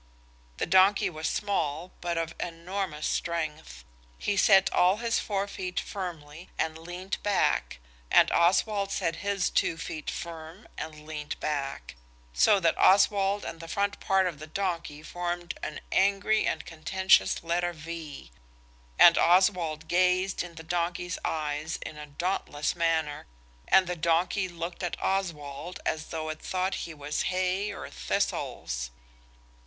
The donkey was small, but of enormous strength. He set all his four feet firm and leant back–and Oswald set his two feet firm and leant back–so that Oswald and the front part of the donkey formed an angry and contentious letter V. And Oswald gazed in the donkey's eyes in a dauntless manner, and the donkey looked at Oswald as though it thought he was hay or thistles.